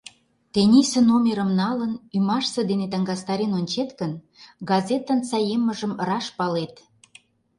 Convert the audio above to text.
Тенийсе номерым налын, ӱмашсе дене таҥастарен ончет гын, газетын саеммыжым раш палет.